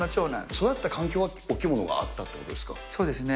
育った環境がお着物があったということなんですね。